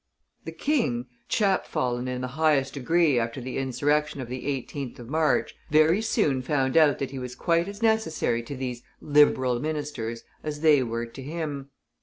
The King, chap fallen in the highest degree after the insurrection of the 18th of March, very soon found out that he was quite as necessary to these "liberal" ministers as they were to him.